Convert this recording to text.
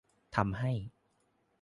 ทำให้